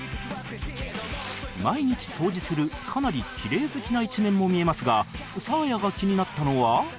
毎日掃除するかなりキレイ好きな一面も見えますがサーヤが気になったのは